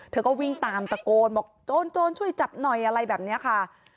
เธอก็วิ่งตามตะโกนบอกโจรช่วยจับหน่อยอะไรแบบนี้ค่ะ